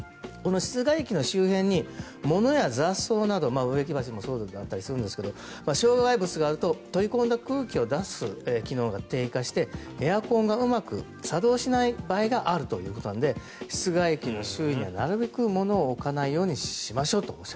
室外機の周辺に物や雑草など植木鉢もそうですが障害物があると取り込んだ空気を出す機能が低下してエアコンがうまく作動しない場合があるということなので室外機の周囲にはなるべく物を置かないようにしましょうと。